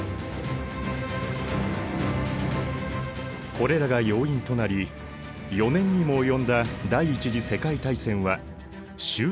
これらが要因となり４年にも及んだ第一次世界大戦は終結を迎えた。